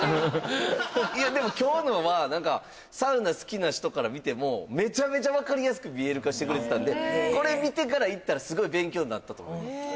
いやでも今日のはなんかサウナ好きな人から見てもめちゃめちゃわかりやすく見える化してくれてたんでこれ見てから行ったらすごい勉強になったと思います。